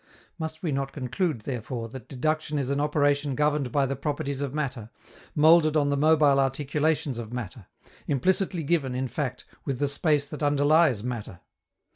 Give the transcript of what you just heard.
Must we not conclude, therefore, that deduction is an operation governed by the properties of matter, molded on the mobile articulations of matter, implicitly given, in fact, with the space that underlies matter?